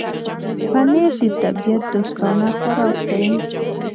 پنېر د طبيعت دوستانه خوراک دی.